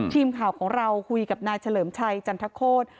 ทีมข่าวของเราคุยกับนายเฉลิมชัยจันทโคตร